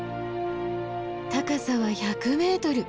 高さは１００ｍ！